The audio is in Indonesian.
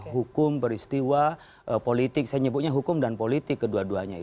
hukum peristiwa politik saya nyebutnya hukum dan politik kedua duanya